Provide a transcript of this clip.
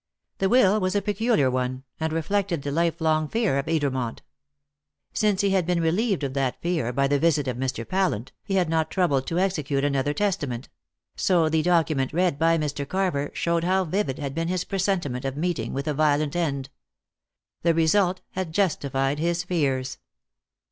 The will was a peculiar one, and reflected the lifelong fear of Edermont. Since he had been relieved of that fear by the visit of Mr. Pallant, he had not troubled to execute another testament; so the document read by Mr. Carver showed how vivid had been his presentiment of meeting with a violent end. The result had justified his fears.